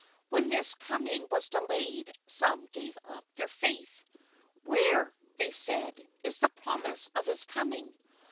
When this coming was delayed some gave up their faith : Where, they said, is the promise of his coming?